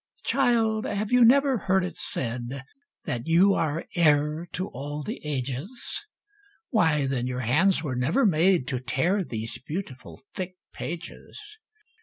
Child, have you never heard it said That you are heir to all the ages? Why, then, your hands were never made To tear these beautiful thick pages!